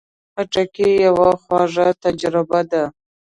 خټکی یوه خواږه تجربه ده.